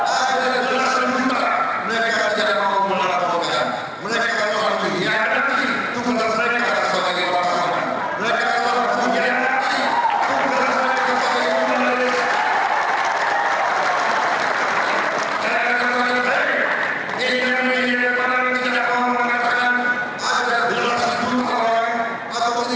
ada dua belas juta mereka yang mau melakukan perubahan